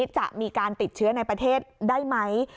จะมีการติดเชื้อในประเทศได้ไหม